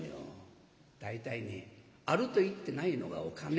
大体ねあると言ってないのがお金。